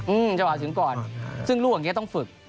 จังหวะเราถึงก่อนซึ่งรูของนี้ต้องฝึก